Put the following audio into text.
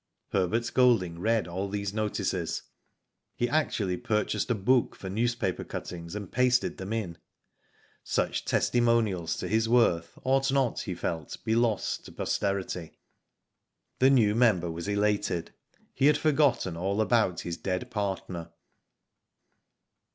Herbert Golding read all these notices. He actually purchased a book for newspaper cuttings and pasted them in. Such testimonials to his worth ought not, he felt to be lost to posterity. D 2 Digitized byGoogk 36 WHO DID ITf The new member was elated. He had forgotten all about his dead partner.